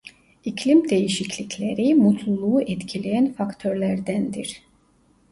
İklim değişiklikleri mutluluğu etkileyen faktörlerdendir.